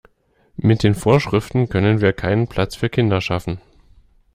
Mit den Vorschriften können wir keinen Platz für Kinder schaffen.